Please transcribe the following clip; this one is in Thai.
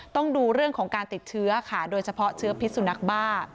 ต้องดูเรื่องของการติดเชื้อค่ะโดยเฉพาะเชื้อพิษสุนัขบ้า